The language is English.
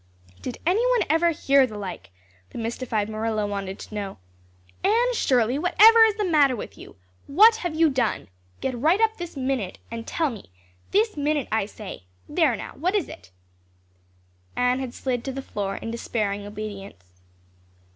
"Did anyone ever hear the like?" the mystified Marilla wanted to know. "Anne Shirley, whatever is the matter with you? What have you done? Get right up this minute and tell me. This minute, I say. There now, what is it?" Anne had slid to the floor in despairing obedience.